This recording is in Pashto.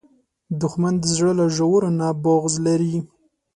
دښمن د زړه له ژورو نه بغض لري